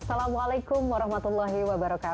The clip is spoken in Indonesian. assalamualaikum wr wb